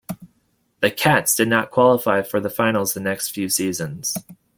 The Cats did not qualify for the finals the next few seasons.